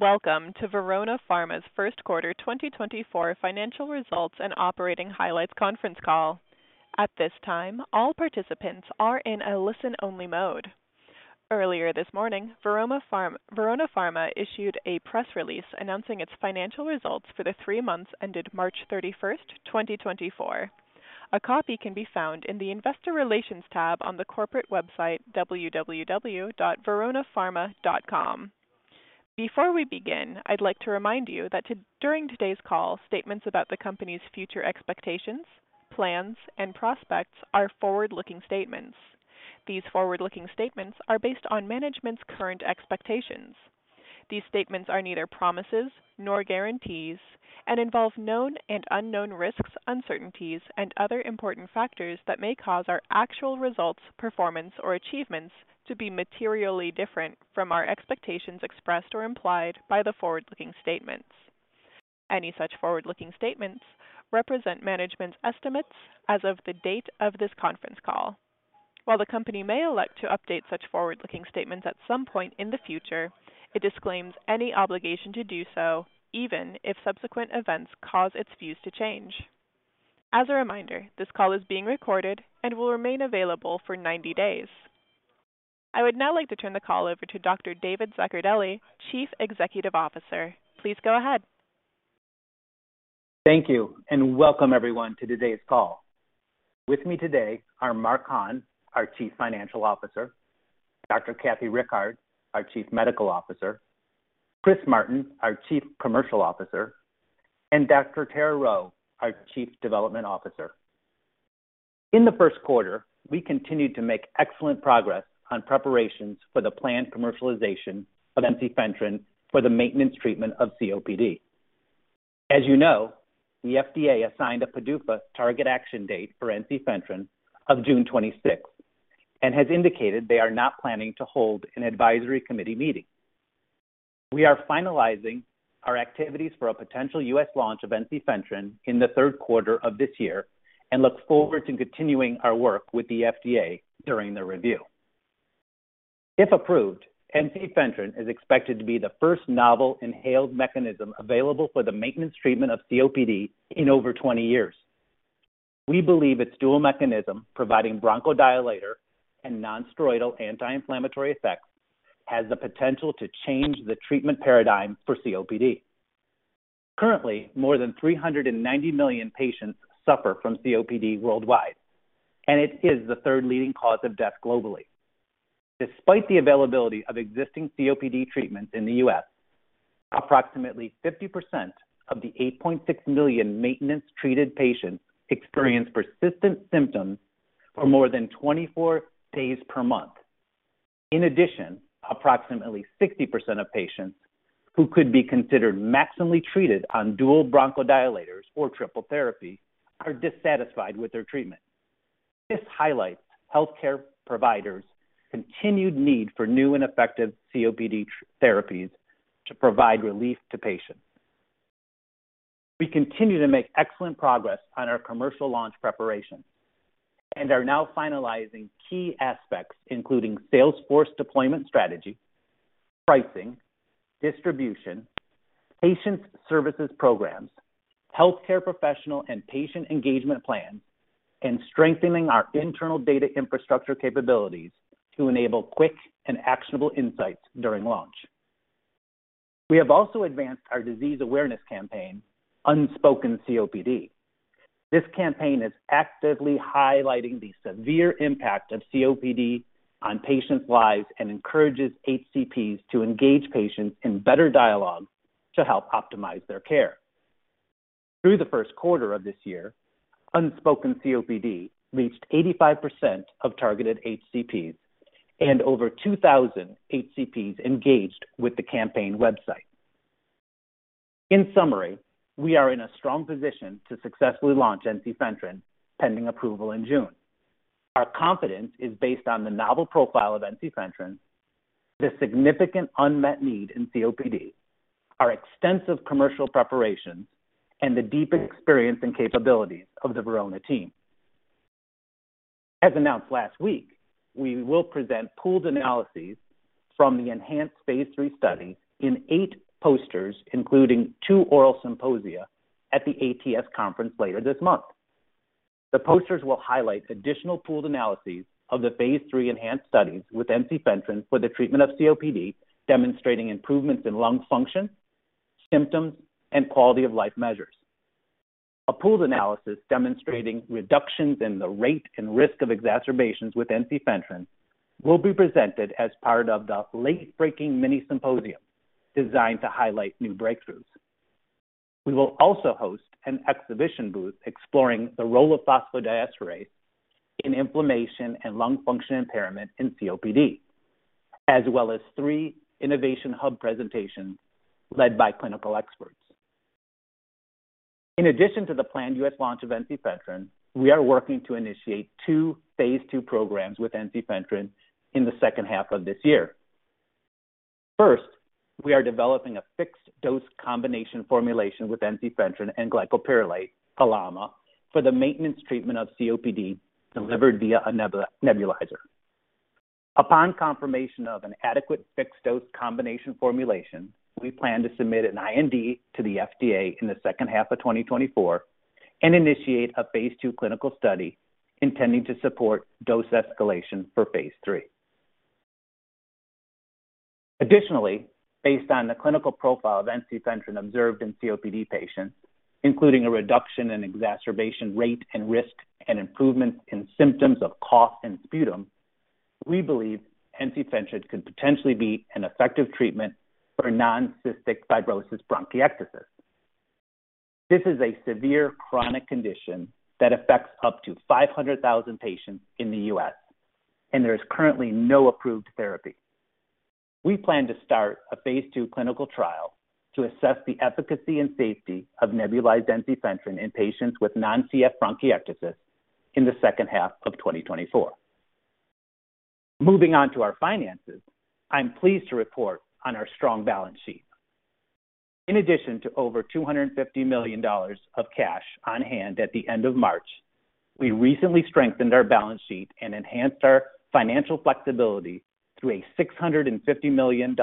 Hello and welcome to Verona Pharma's Q1 2024 financial results and operating highlights conference call. At this time, all participants are in a listen-only mode. Earlier this morning, Verona Pharma issued a press release announcing its financial results for the three months ended March 31, 2024. A copy can be found in the Investor Relations tab on the corporate website www.veronapharma.com. Before we begin, I'd like to remind you that during today's call, statements about the company's future expectations, plans, and prospects are forward-looking statements. These forward-looking statements are based on management's current expectations. These statements are neither promises nor guarantees and involve known and unknown risks, uncertainties, and other important factors that may cause our actual results, performance, or achievements to be materially different from our expectations expressed or implied by the forward-looking statements. Any such forward-looking statements represent management's estimates as of the date of this conference call. While the company may elect to update such forward-looking statements at some point in the future, it disclaims any obligation to do so, even if subsequent events cause its views to change. As a reminder, this call is being recorded and will remain available for 90 days. I would now like to turn the call over to Dr. David Zaccardelli, Chief Executive Officer. Please go ahead. Thank you and welcome, everyone, to today's call. With me today are Mark Hahn, our Chief Financial Officer, Dr. Kathleen Rickard, our Chief Medical Officer, Christopher Martin, our Chief Commercial Officer, and Dr. Tara Rheault, our Chief Development Officer. In the first quarter, we continued to make excellent progress on preparations for the planned commercialization of ensifentrine for the maintenance treatment of COPD. As you know, the FDA assigned a PDUFA target action date for ensifentrine of June 26 and has indicated they are not planning to hold an advisory committee meeting. We are finalizing our activities for a potential U.S. launch of ensifentrine in the third quarter of this year and look forward to continuing our work with the FDA during the review. If approved, ensifentrine is expected to be the first novel inhaled mechanism available for the maintenance treatment of COPD in over 20 years. We believe its dual mechanism, providing bronchodilator and nonsteroidal anti-inflammatory effects, has the potential to change the treatment paradigm for COPD. Currently, more than 390 million patients suffer from COPD worldwide, and it is the third leading cause of death globally. Despite the availability of existing COPD treatments in the U.S., approximately 50% of the 8.6 million maintenance-treated patients experience persistent symptoms for more than 24 days per month. In addition, approximately 60% of patients who could be considered maximally treated on dual bronchodilators or triple therapy are dissatisfied with their treatment. This highlights healthcare providers' continued need for new and effective COPD therapies to provide relief to patients. We continue to make excellent progress on our commercial launch preparations and are now finalizing key aspects including sales force deployment strategy, pricing, distribution, patient services programs, healthcare professional and patient engagement plans, and strengthening our internal data infrastructure capabilities to enable quick and actionable insights during launch. We have also advanced our disease awareness campaign, Unspoken COPD. This campaign is actively highlighting the severe impact of COPD on patients' lives and encourages HCPs to engage patients in better dialogue to help optimize their care. Through the Q1 of this year, Unspoken COPD reached 85% of targeted HCPs and over 2,000 HCPs engaged with the campaign website. In summary, we are in a strong position to successfully launch ensifentrine pending approval in June. Our confidence is based on the novel profile of ensifentrine, the significant unmet need in COPD, our extensive commercial preparations, and the deep experience and capabilities of the Verona team. As announced last week, we will present pooled analyses from the ENHANCE Phase 3 studies in 8 posters, including 2 oral symposia at the ATS conference later this month. The posters will highlight additional pooled analyses of the ENHANCE Phase 3 studies with ensifentrine for the treatment of COPD, demonstrating improvements in lung function, symptoms, and quality of life measures. A pooled analysis demonstrating reductions in the rate and risk of exacerbations with ensifentrine will be presented as part of the late-breaking mini-symposium designed to highlight new breakthroughs. We will also host an exhibition booth exploring the role of phosphodiesterase in inflammation and lung function impairment in COPD, as well as three innovation hub presentations led by clinical experts. In addition to the planned U.S. launch of ensifentrine, we are working to initiate two Phase 2 programs with ensifentrine in the second half of this year. First, we are developing a fixed-dose combination formulation with ensifentrine and glycopyrrolate, LAMA, for the maintenance treatment of COPD delivered via a nebulizer. Upon confirmation of an adequate fixed-dose combination formulation, we plan to submit an IND to the FDA in the second half of 2024 and initiate a Phase 2 clinical study intending to support dose escalation for Phase 3. Additionally, based on the clinical profile of ensifentrine observed in COPD patients, including a reduction in exacerbation rate and risk and improvements in symptoms of cough and sputum, we believe ensifentrine could potentially be an effective treatment for non-cystic fibrosis bronchiectasis. This is a severe chronic condition that affects up to 500,000 patients in the U.S., and there is currently no approved therapy. We plan to start a Phase 2 clinical trial to assess the efficacy and safety of nebulized ensifentrine in patients with non-CF bronchiectasis in the second half of 2024. Moving on to our finances, I'm pleased to report on our strong balance sheet. In addition to over $250 million of cash on hand at the end of March, we recently strengthened our balance sheet and enhanced our financial flexibility through a $650 million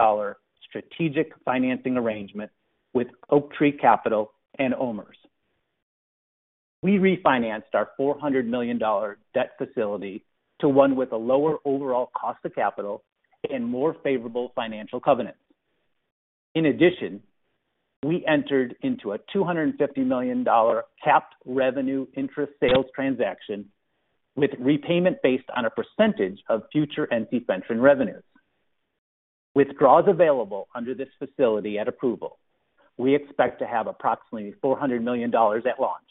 strategic financing arrangement with Oaktree Capital and OMERS. We refinanced our $400 million debt facility to one with a lower overall cost of capital and more favorable financial covenants. In addition, we entered into a $250 million capped revenue interest sales transaction with repayment based on a percentage of future ensifentrine revenues. With draws available under this facility at approval, we expect to have approximately $400 million at launch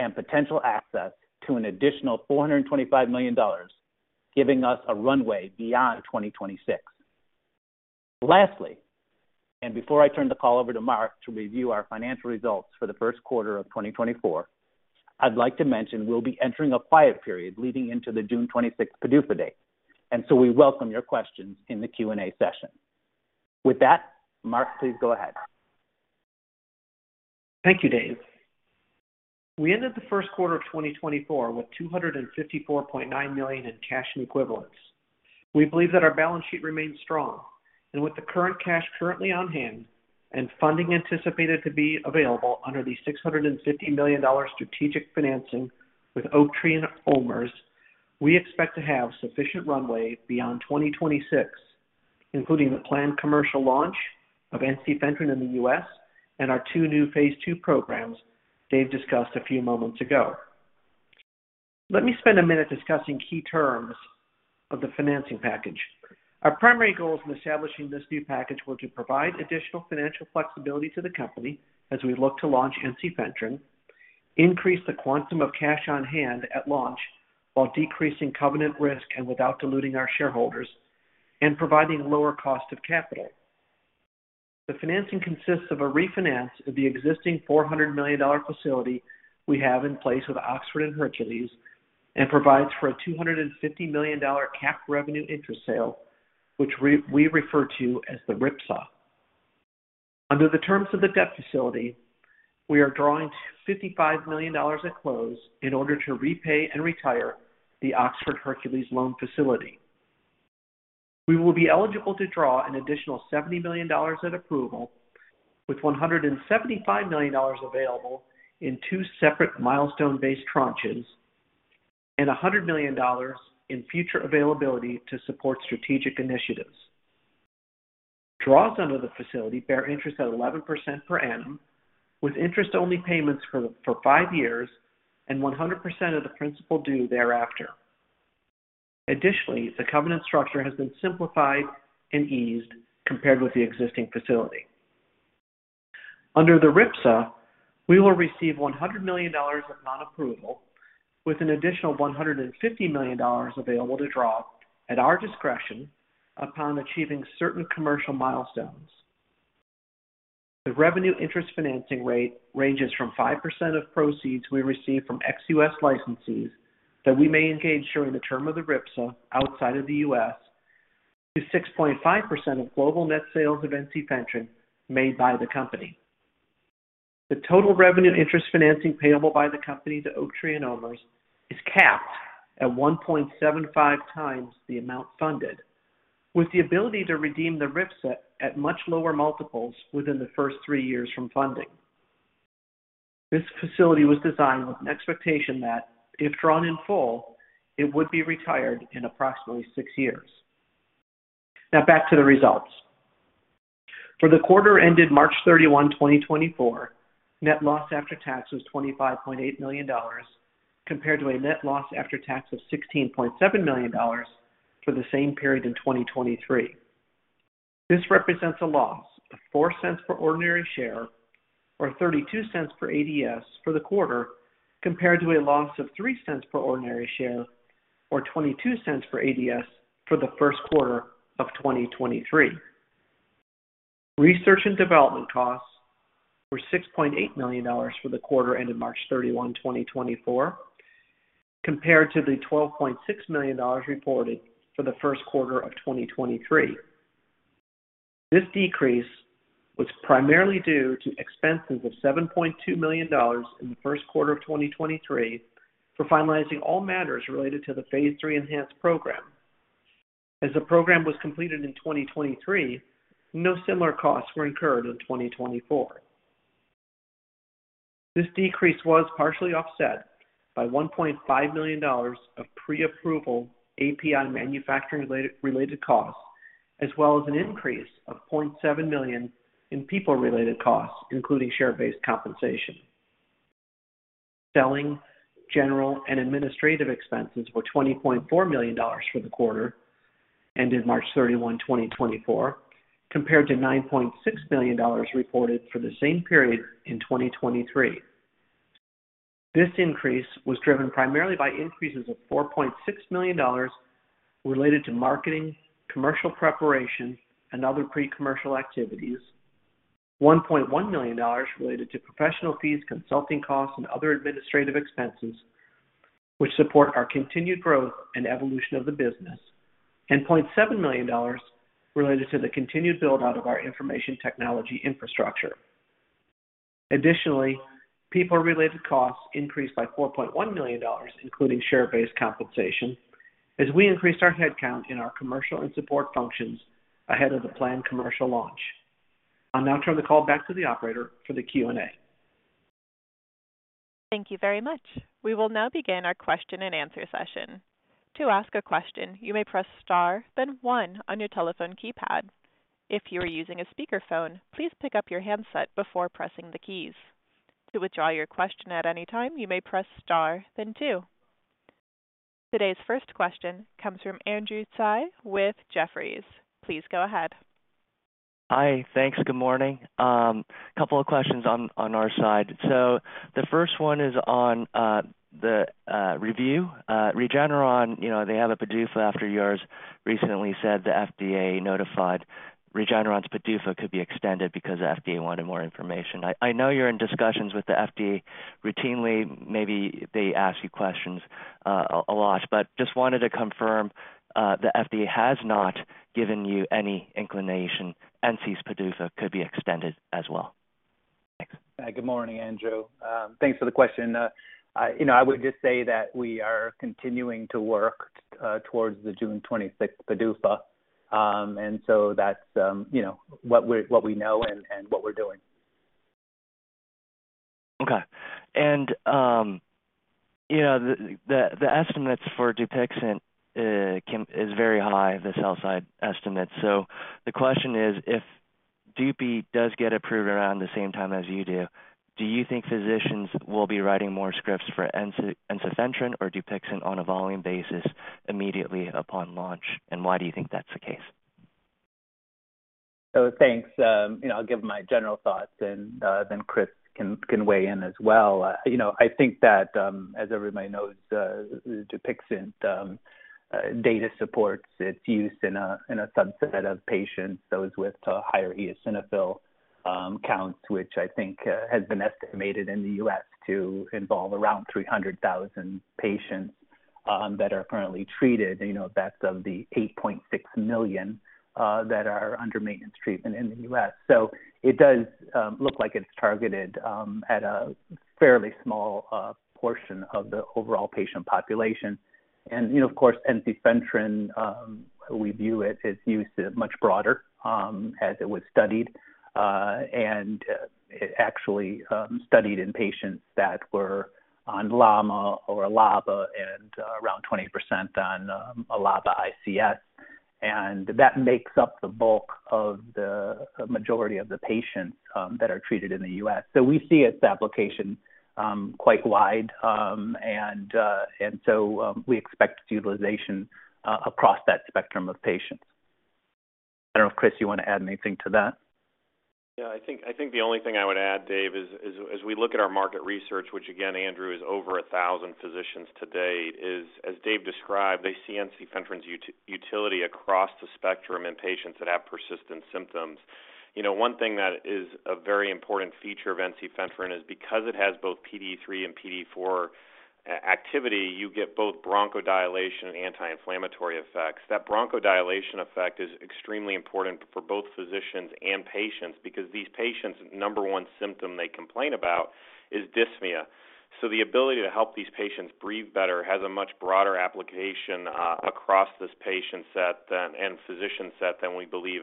and potential access to an additional $425 million, giving us a runway beyond 2026. Lastly, and before I turn the call over to Mark to review our financial results for the Q1 of 2024, I'd like to mention we'll be entering a quiet period leading into the June 26 PDUFA date, and so we welcome your questions in the Q&A session. With that, Mark, please go ahead. Thank you, Dave. We ended the Q1 of 2024 with $254.9 million in cash and equivalents. We believe that our balance sheet remains strong, and with the current cash currently on hand and funding anticipated to be available under the $650 million strategic financing with Oaktree and OMERS, we expect to have sufficient runway beyond 2026, including the planned commercial launch of ensifentrine in the U.S. and our two new Phase 2 programs Dave discussed a few moments ago. Let me spend a minute discussing key terms of the financing package. Our primary goals in establishing this new package were to provide additional financial flexibility to the company as we look to launch ensifentrine, increase the quantum of cash on hand at launch while decreasing covenant risk and without diluting our shareholders, and providing lower cost of capital. The financing consists of a refinance of the existing $400 million facility we have in place with Oxford and Hercules and provides for a $250 million capped revenue interest sale, which we refer to as the RIPSA. Under the terms of the debt facility, we are drawing $55 million at close in order to repay and retire the Oxford-Hercules loan facility. We will be eligible to draw an additional $70 million at approval, with $175 million available in two separate milestone-based tranches and $100 million in future availability to support strategic initiatives. Draws under the facility bear interest at 11% per annum, with interest-only payments for five years and 100% of the principal due thereafter. Additionally, the covenant structure has been simplified and eased compared with the existing facility. Under the RIPSA, we will receive $100 million of non-dilutive, with an additional $150 million available to draw at our discretion upon achieving certain commercial milestones. The revenue interest financing rate ranges from 5% of proceeds we receive from ex-U.S. licensees that we may engage during the term of the RIPSA outside of the U.S. to 6.5% of global net sales of ensifentrine made by the company. The total revenue interest financing payable by the company to Oaktree and OMERS is capped at 1.75x the amount funded, with the ability to redeem the RIPSA at much lower multiples within the first three years from funding. This facility was designed with an expectation that, if drawn in full, it would be retired in approximately six years. Now, back to the results. For the quarter ended March 31, 2024, net loss after tax was $25.8 million compared to a net loss after tax of $16.7 million for the same period in 2023. This represents a loss of $0.04 per ordinary share or $0.32 per ADS for the quarter compared to a loss of $0.03 per ordinary share or $0.22 per ADS for the Q1 of 2023. Research and development costs were $6.8 million for the quarter ended March 31, 2024, compared to the $12.6 million reported for the Q1 of 2023. This decrease was primarily due to expenses of $7.2 million in the Q1 of 2023 for finalizing all matters related to the Phase 3 ENHANCE program. As the program was completed in 2023, no similar costs were incurred in 2024. This decrease was partially offset by $1.5 million of pre-approval API manufacturing-related costs, as well as an increase of $0.7 million in people-related costs, including share-based compensation. Selling, general, and administrative expenses were $20.4 million for the quarter ended March 31, 2024, compared to $9.6 million reported for the same period in 2023. This increase was driven primarily by increases of $4.6 million related to marketing, commercial preparation, and other pre-commercial activities, $1.1 million related to professional fees, consulting costs, and other administrative expenses, which support our continued growth and evolution of the business, and $0.7 million related to the continued build-out of our information technology infrastructure. Additionally, people-related costs increased by $4.1 million, including share-based compensation, as we increased our headcount in our commercial and support functions ahead of the planned commercial launch. I'll now turn the call back to the operator for the Q&A. Thank you very much. We will now begin our question and answer session. To ask a question, you may press start then 1 on your telephone keypad. If you are using a speakerphone, please pick up your handset before pressing the keys. To withdraw your question at any time, you may press star then 2. Today's first question comes from Andrew Tsai with Jefferies. Please go ahead. Hi. Thanks. Good morning. A couple of questions on our side. So the first one is on the review. Regeneron, they have a PDUFA after yours recently said the FDA notified Regeneron's PDUFA could be extended because the FDA wanted more information. I know you're in discussions with the FDA routinely. Maybe they ask you questions a lot, but just wanted to confirm the FDA has not given you any inclination Ensi's PDUFA could be extended as well. Thanks. Good morning, Andrew. Thanks for the question. I would just say that we are continuing to work towards the June 26 PDUFA, and so that's what we know and what we're doing. Okay. And the estimates for Dupixent is very high, the sell-side estimates. So the question is, if Dupi does get approved around the same time as you do, do you think physicians will be writing more scripts for ensifentrine or Dupixent on a volume basis immediately upon launch, and why do you think that's the case? So thanks. I'll give my general thoughts, and then Chris can weigh in as well. I think that, as everybody knows, Dupixent data supports its use in a subset of patients, those with higher eosinophil counts, which I think has been estimated in the U.S. to involve around 300,000 patients that are currently treated. That's of the 8.6 million that are under maintenance treatment in the U.S. So it does look like it's targeted at a fairly small portion of the overall patient population. And of course, ensifentrine, we view its use much broader as it was studied, and it actually studied in patients that were on LAMA or LABA and around 20% on LABA ICS. And that makes up the bulk of the majority of the patients that are treated in the U.S. So we see its application quite wide, and so we expect utilization across that spectrum of patients. I don't know if, Chris, you want to add anything to that. Yeah. I think the only thing I would add, Dave, is as we look at our market research, which, again, Andrew, is over 1,000 physicians today, is, as Dave described, they see ensifentrine's utility across the spectrum in patients that have persistent symptoms. One thing that is a very important feature of ensifentrine is because it has both PDE3 and PDE4 activity, you get both bronchodilation and anti-inflammatory effects. That bronchodilation effect is extremely important for both physicians and patients because these patients, number one symptom they complain about is dyspnea. So the ability to help these patients breathe better has a much broader application across this patient set and physician set than we believe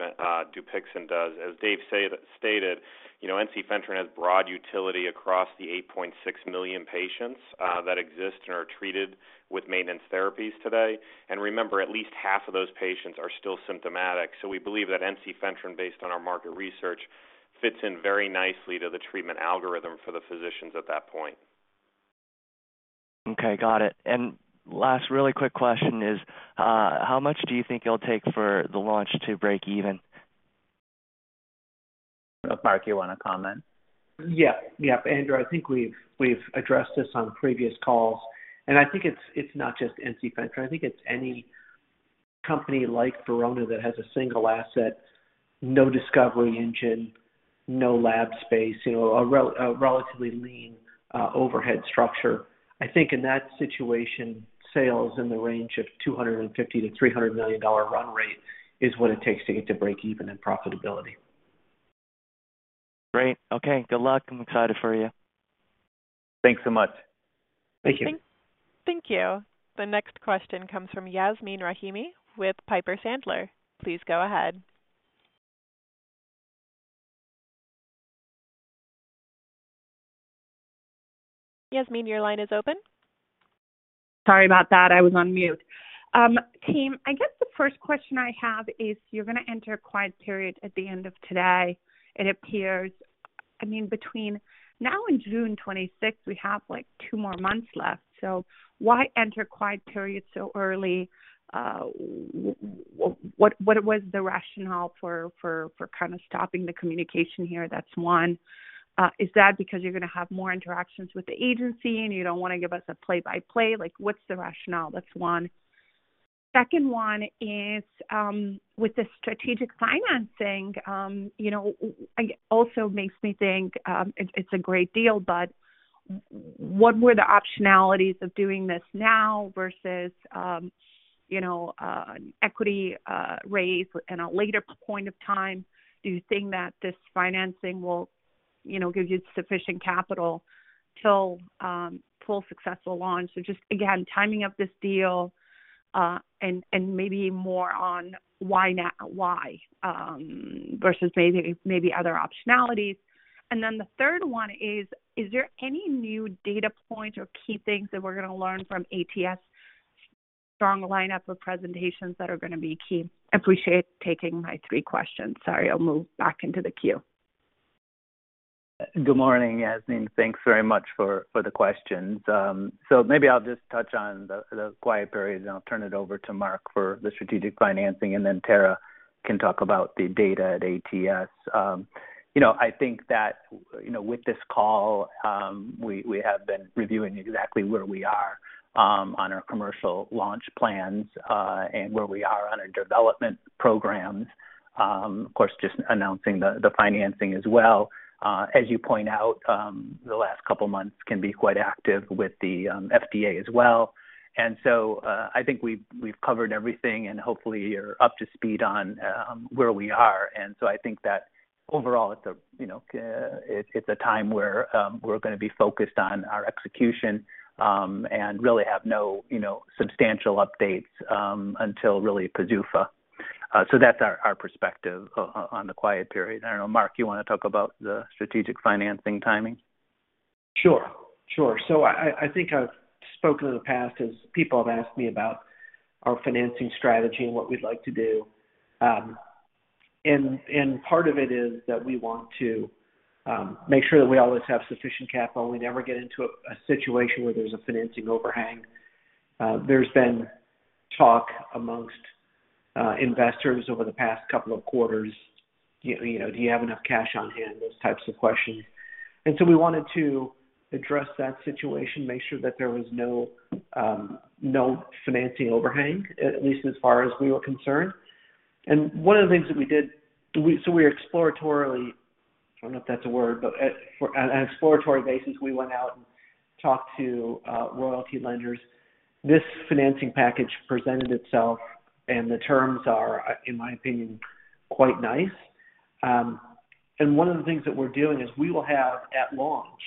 Dupixent does. As Dave stated, ensifentrine has broad utility across the 8.6 million patients that exist and are treated with maintenance therapies today. And remember, at least half of those patients are still symptomatic. So we believe that ensifentrine, based on our market research, fits in very nicely to the treatment algorithm for the physicians at that point. Okay. Got it. Last really quick question is, how much do you think it'll take for the launch to break even? Mark, you want to comment? Yeah. Yeah. Andrew, I think we've addressed this on previous calls. And I think it's not just ensifentrine. I think it's any company like Verona that has a single asset, no discovery engine, no lab space, a relatively lean overhead structure. I think in that situation, sales in the range of $250-$300 million run rate is what it takes to get to break even in profitability. Great. Okay. Good luck. I'm excited for you. Thanks so much. Thank you. Thank you. The next question comes from Yasmeen Rahimi with Piper Sandler. Please go ahead. Yasmeen, your line is open. Sorry about that. I was on mute. Team, I guess the first question I have is, you're going to enter a quiet period at the end of today, it appears. I mean, between now and June 26, we have two more months left. So why enter a quiet period so early? What was the rationale for kind of stopping the communication here? That's one. Is that because you're going to have more interactions with the agency and you don't want to give us a play-by-play? What's the rationale? That's one. Second one is, with the strategic financing, it also makes me think it's a great deal, but what were the optionalities of doing this now versus an equity raise at a later point of time? Do you think that this financing will give you sufficient capital till full successful launch? So just, again, timing up this deal and maybe more on why versus maybe other optionalities. And then the third one is, is there any new data points or key things that we're going to learn from ATS's strong lineup of presentations that are going to be key? Appreciate taking my three questions. Sorry. I'll move back into the queue. Good morning, Yasmeen. Thanks very much for the questions. So maybe I'll just touch on the quiet period, and I'll turn it over to Mark for the strategic financing, and then Tara can talk about the data at ATS. I think that with this call, we have been reviewing exactly where we are on our commercial launch plans and where we are on our development programs, of course, just announcing the financing as well. As you point out, the last couple of months can be quite active with the FDA as well. And so I think we've covered everything, and hopefully, you're up to speed on where we are. And so I think that overall, it's a time where we're going to be focused on our execution and really have no substantial updates until really PDUFA. So that's our perspective on the quiet period. I don't know, Mark, you want to talk about the strategic financing timing? Sure. Sure. So I think I've spoken in the past as people have asked me about our financing strategy and what we'd like to do. And part of it is that we want to make sure that we always have sufficient capital. We never get into a situation where there's a financing overhang. There's been talk amongst investors over the past couple of quarters, "Do you have enough cash on hand?" those types of questions. And so we wanted to address that situation, make sure that there was no financing overhang, at least as far as we were concerned. And one of the things that we did so we were exploratorily I don't know if that's a word, but on an exploratory basis, we went out and talked to royalty lenders. This financing package presented itself, and the terms are, in my opinion, quite nice. And one of the things that we're doing is we will have, at launch,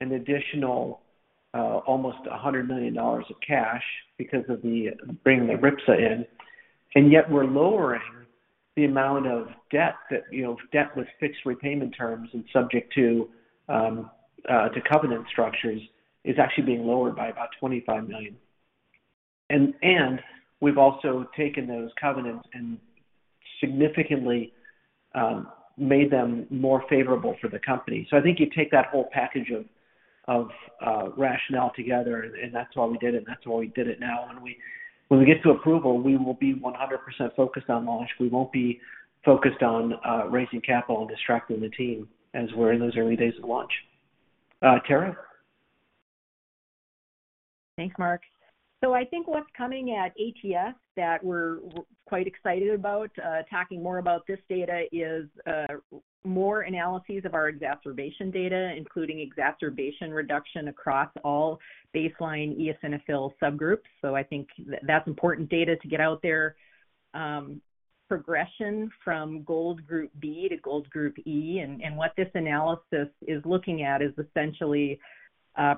an additional almost $100 million of cash because of bringing the RIPSA in. And yet, we're lowering the amount of debt that debt with fixed repayment terms and subject to covenant structures is actually being lowered by about $25 million. And we've also taken those covenants and significantly made them more favorable for the company. So I think you take that whole package of rationale together, and that's why we did it, and that's why we did it now. When we get to approval, we will be 100% focused on launch. We won't be focused on raising capital and distracting the team as we're in those early days of launch. Tara? Thanks, Mark. So I think what's coming at ATS that we're quite excited about, talking more about this data, is more analyses of our exacerbation data, including exacerbation reduction across all baseline eosinophil subgroups. So I think that's important data to get out there. Progression from GOLD Group B to GOLD Group E and what this analysis is looking at is essentially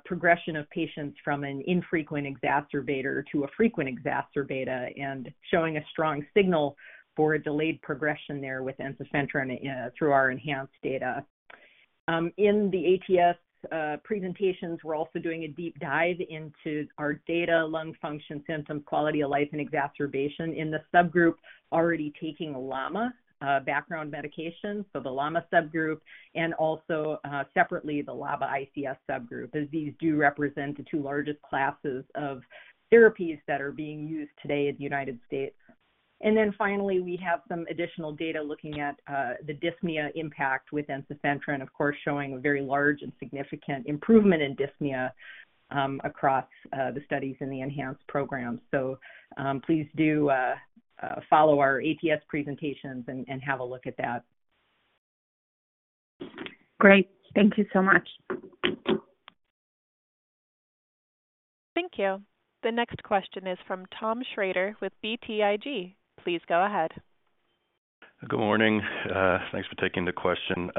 progression of patients from an infrequent exacerbator to a frequent exacerbator and showing a strong signal for a delayed progression there with ensifentrine through our ENHANCE data. In the ATS presentations, we're also doing a deep dive into our data, lung function, symptoms, quality of life, and exacerbation in the subgroup already taking LAMA background medication, so the LAMA subgroup, and also separately the LABA ICS subgroup as these do represent the two largest classes of therapies that are being used today in the United States. And then finally, we have some additional data looking at the dyspnea impact with ensifentrine, of course, showing a very large and significant improvement in dyspnea across the studies in the ENHANCE programs. So please do follow our ATS presentations and have a look at that. Great. Thank you so much. Thank you. The next question is from Tom Schrader with BTIG. Please go ahead. Good morning. Thanks for taking the question.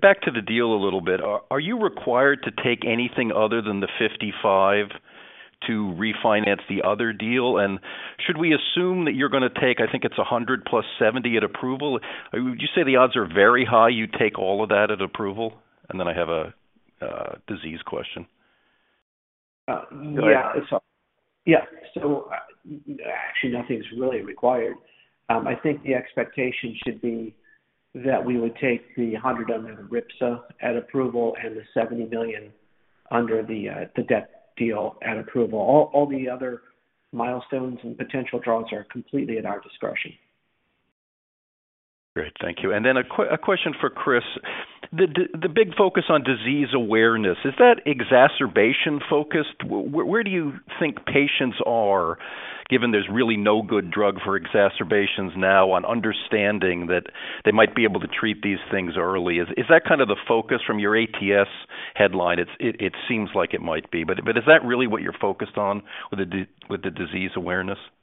Back to the deal a little bit. Are you required to take anything other than the $55 to refinance the other deal? Should we assume that you're going to take I think it's $100 + $70 at approval? Would you say the odds are very high you take all of that at approval? Then I have a disease question. Yeah. So actually, nothing's really required. I think the expectation should be that we would take the $100 million under the RIPSA at approval and the $70 million under the debt deal at approval. All the other milestones and potential draws are completely at our discretion. Great. Thank you. And then a question for Chris. The big focus on disease awareness, is that exacerbation-focused? Where do you think patients are, given there's really no good drug for exacerbations now, on understanding that they might be able to treat these things early? Is that kind of the focus from your ATS headline? It seems like it might be. But is that really what you're focused on with the disease awareness? Yeah.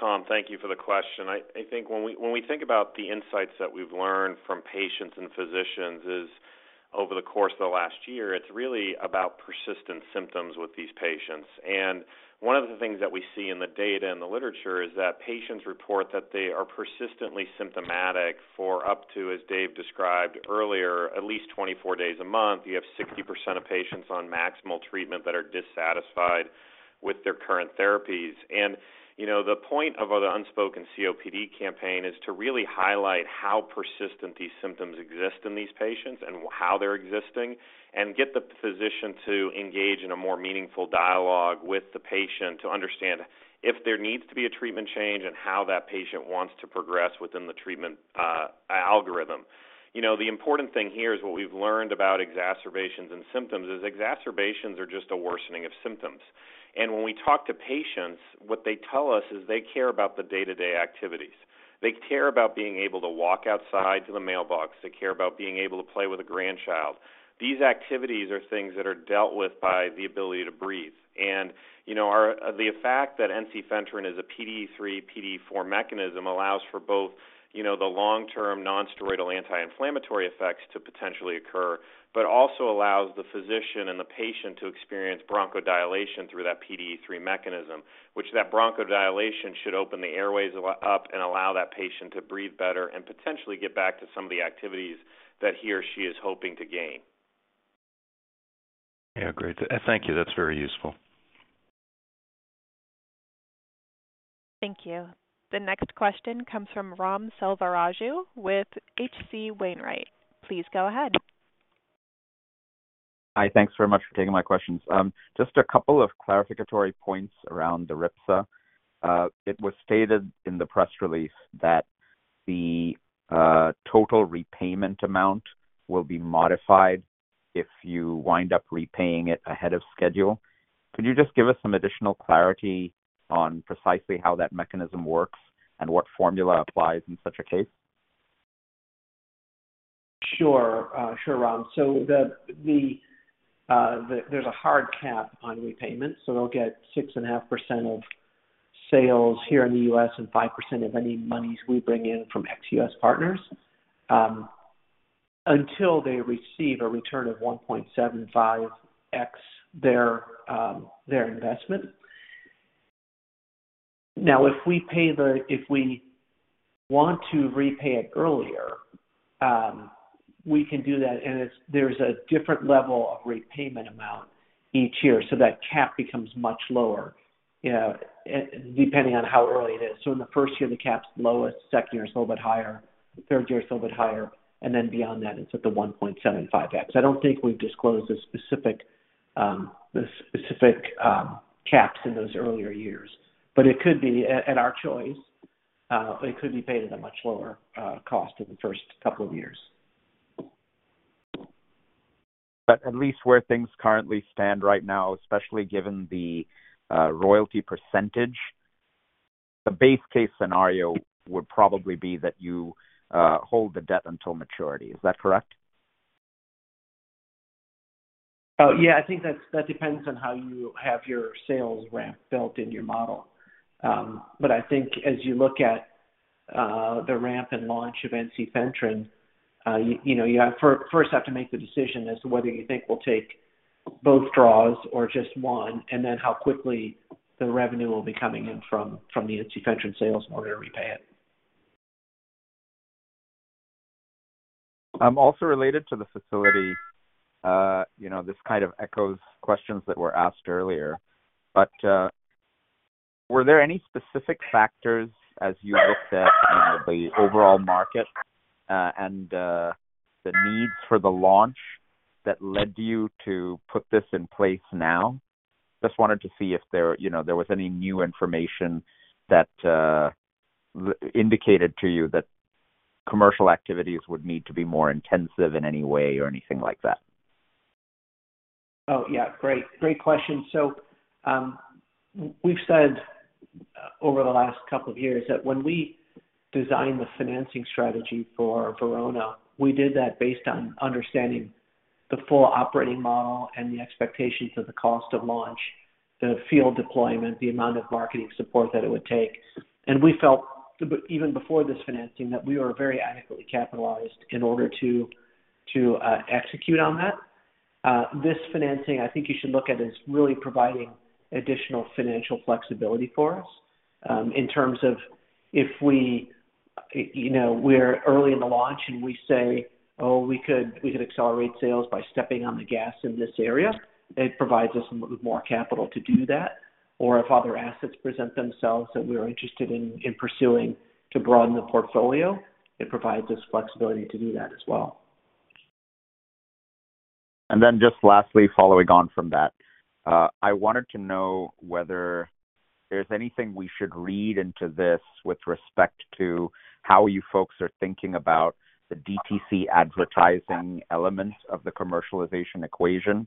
Tom, thank you for the question. I think when we think about the insights that we've learned from patients and physicians is over the course of the last year, it's really about persistent symptoms with these patients. And one of the things that we see in the data and the literature is that patients report that they are persistently symptomatic for up to, as Dave described earlier, at least 24 days a month. You have 60% of patients on maximal treatment that are dissatisfied with their current therapies. And the point of the Unspoken COPD campaign is to really highlight how persistent these symptoms exist in these patients and how they're existing and get the physician to engage in a more meaningful dialogue with the patient to understand if there needs to be a treatment change and how that patient wants to progress within the treatment algorithm. The important thing here is what we've learned about exacerbations and symptoms is exacerbations are just a worsening of symptoms. When we talk to patients, what they tell us is they care about the day-to-day activities. They care about being able to walk outside to the mailbox. They care about being able to play with a grandchild. These activities are things that are dealt with by the ability to breathe. The fact that ensifentrine is a PDE3, PDE4 mechanism allows for both the long-term nonsteroidal anti-inflammatory effects to potentially occur, but also allows the physician and the patient to experience bronchodilation through that PDE3 mechanism, which that bronchodilation should open the airways up and allow that patient to breathe better and potentially get back to some of the activities that he or she is hoping to gain. Yeah. Great. Thank you. That's very useful. Thank you. The next question comes from Ram Selvaraju with H.C. Wainwright. Please go ahead. Hi. Thanks very much for taking my questions. Just a couple of clarificatory points around the RIPSA. It was stated in the press release that the total repayment amount will be modified if you wind up repaying it ahead of schedule. Could you just give us some additional clarity on precisely how that mechanism works and what formula applies in such a case? Sure. Sure, Ram. So there's a hard cap on repayment. So they'll get 6.5% of sales here in the U.S. and 5% of any monies we bring in from ex-U.S. partners until they receive a return of 1.75x their investment. Now, if we want to repay it earlier, we can do that. And there's a different level of repayment amount each year. So that cap becomes much lower depending on how early it is. So in the first year, the cap's lowest. Second year is a little bit higher. Third year is a little bit higher. And then beyond that, it's at the 1.75x. I don't think we've disclosed the specific caps in those earlier years. But it could be at our choice. It could be paid at a much lower cost in the first couple of years. At least where things currently stand right now, especially given the royalty percentage, the base case scenario would probably be that you hold the debt until maturity. Is that correct? Yeah. I think that depends on how you have your sales ramp built in your model. But I think as you look at the ramp and launch of ensifentrine, you first have to make the decision as to whether you think we'll take both draws or just one and then how quickly the revenue will be coming in from the ensifentrine sales in order to repay it. Also related to the facility, this kind of echoes questions that were asked earlier. But were there any specific factors as you looked at the overall market and the needs for the launch that led you to put this in place now? Just wanted to see if there was any new information that indicated to you that commercial activities would need to be more intensive in any way or anything like that. Oh, yeah. Great. Great question. So we've said over the last couple of years that when we designed the financing strategy for Verona, we did that based on understanding the full operating model and the expectations of the cost of launch, the field deployment, the amount of marketing support that it would take. And we felt, even before this financing, that we were very adequately capitalized in order to execute on that. This financing, I think you should look at as really providing additional financial flexibility for us in terms of if we're early in the launch, and we say, "Oh, we could accelerate sales by stepping on the gas in this area," it provides us with more capital to do that. Or if other assets present themselves that we're interested in pursuing to broaden the portfolio, it provides us flexibility to do that as well. And then just lastly, following on from that, I wanted to know whether there's anything we should read into this with respect to how you folks are thinking about the DTC advertising elements of the commercialization equation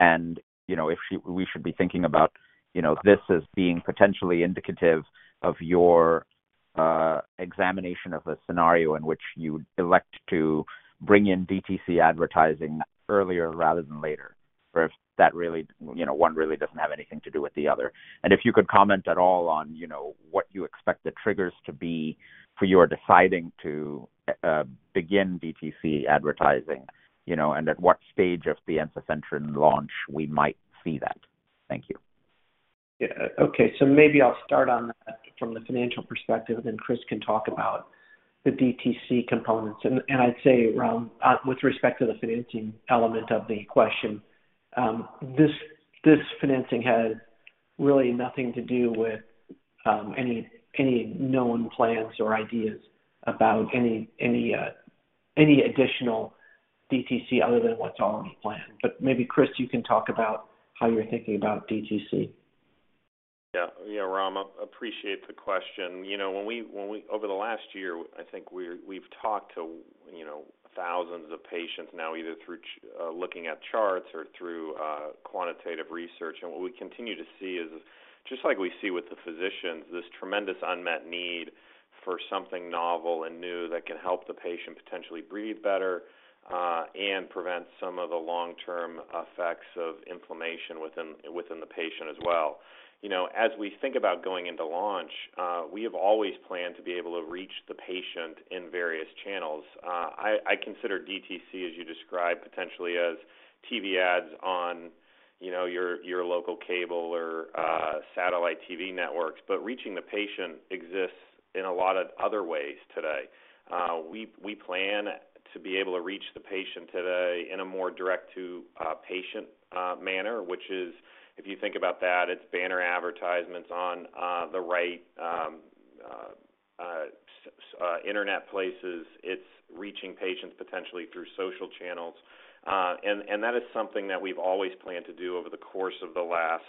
and if we should be thinking about this as being potentially indicative of your examination of the scenario in which you elect to bring in DTC advertising earlier rather than later or if one really doesn't have anything to do with the other. If you could comment at all on what you expect the triggers to be for your deciding to begin DTC advertising and at what stage of the ensifentrine launch we might see that. Thank you. Yeah. Okay. So maybe I'll start on that from the financial perspective, and then Chris can talk about the DTC components. And I'd say, Ram, with respect to the financing element of the question, this financing had really nothing to do with any known plans or ideas about any additional DTC other than what's already planned. But maybe, Chris, you can talk about how you're thinking about DTC. Yeah. Yeah, Ram, I appreciate the question. Over the last year, I think we've talked to thousands of patients now either through looking at charts or through quantitative research. What we continue to see is, just like we see with the physicians, this tremendous unmet need for something novel and new that can help the patient potentially breathe better and prevent some of the long-term effects of inflammation within the patient as well. As we think about going into launch, we have always planned to be able to reach the patient in various channels. I consider DTC, as you described, potentially as TV ads on your local cable or satellite TV networks. But reaching the patient exists in a lot of other ways today. We plan to be able to reach the patient today in a more direct-to-patient manner, which is, if you think about that, it's banner advertisements on the right internet places. It's reaching patients potentially through social channels. That is something that we've always planned to do over the course of the last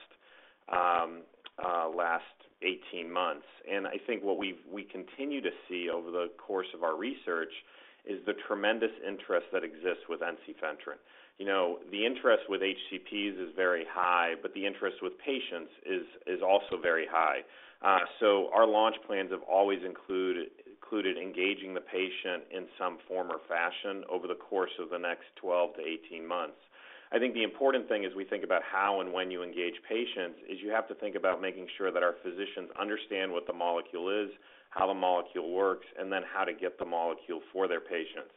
18 months. I think what we continue to see over the course of our research is the tremendous interest that exists with ensifentrine. The interest with HCPs is very high, but the interest with patients is also very high. Our launch plans have always included engaging the patient in some form or fashion over the course of the next 12 to 18 months. I think the important thing as we think about how and when you engage patients is you have to think about making sure that our physicians understand what the molecule is, how the molecule works, and then how to get the molecule for their patients.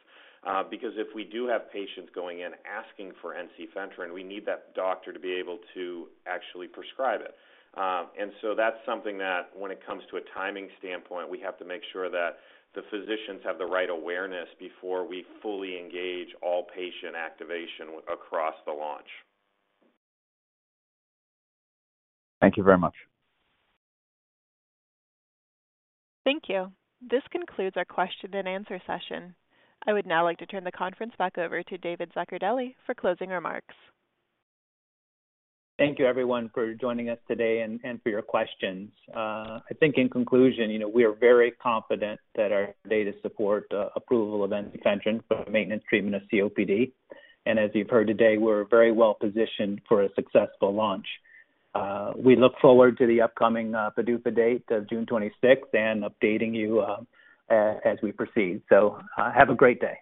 Because if we do have patients going in asking for ensifentrine, we need that doctor to be able to actually prescribe it. And so that's something that, when it comes to a timing standpoint, we have to make sure that the physicians have the right awareness before we fully engage all patient activation across the launch. Thank you very much. Thank you. This concludes our question-and-answer session. I would now like to turn the conference back over to David Zaccardelli for closing remarks. Thank you, everyone, for joining us today and for your questions. I think, in conclusion, we are very confident that our data support approval of ensifentrine for maintenance treatment of COPD. As you've heard today, we're very well positioned for a successful launch. We look forward to the upcoming PDUFA date of June 26th and updating you as we proceed. Have a great day.